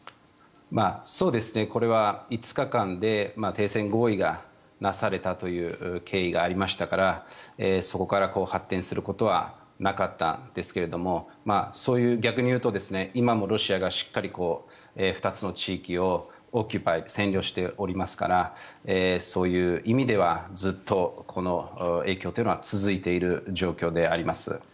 これは５日間で停戦合意がなされたという経緯がありましたからそこから発展することはなかったんですがそういう逆に言うと今もロシアがしっかり２つの地域を占領しておりますからそういう意味ではずっとこの影響は続いている状況であります。